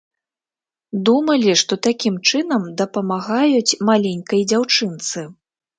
Думалі, што такім чынам дапамагаюць маленькай дзяўчынцы.